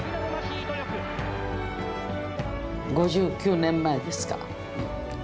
５９年前ですか。